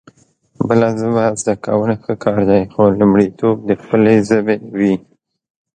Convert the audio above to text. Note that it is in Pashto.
بله ژبه زده کول ښه کار دی خو لومړيتوب د خپلې ژبې وي